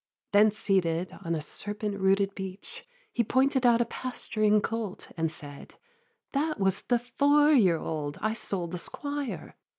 Then, seated on a serpent rooted beech, He pointed out a pasturing colt, and said: 'That was the four year old I sold the Squire.'